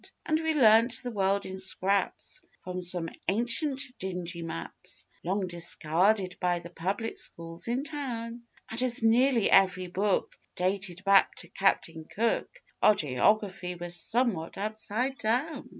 And we learnt the world in scraps from some ancient dingy maps Long discarded by the public schools in town; And as nearly every book dated back to Captain Cook Our geography was somewhat upside down.